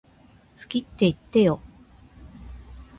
好きって言ってよ